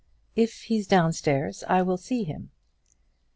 "If he's downstairs, I will see him."